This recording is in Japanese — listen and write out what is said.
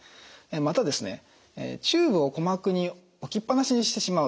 またチューブを鼓膜に置きっぱなしにしてしまうと。